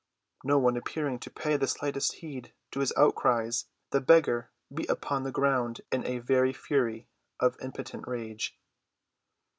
No one appearing to pay the slightest heed to his outcries, the beggar beat upon the ground in a very fury of impotent rage.